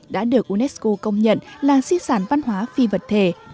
đã được unesco công nhận là di sản văn hóa phi vật thể